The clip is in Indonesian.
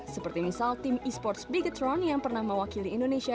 seperti misal tim e sports bigetron yang pernah mewakili indonesia